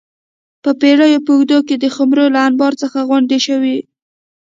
د پېړیو په اوږدو کې د خُمرو له انبار څخه غونډۍ جوړه شوه